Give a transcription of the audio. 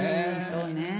そうね。